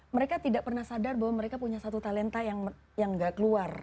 mereka tidak pernah sadar bahwa mereka punya satu talenta yang nggak keluar